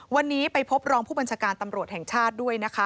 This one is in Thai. วันนี้ไปพบรองผู้บัญชาการตำรวจแห่งชาติด้วยนะคะ